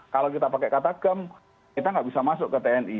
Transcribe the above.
kalau kita pakai kata gam kita nggak bisa masuk ke tni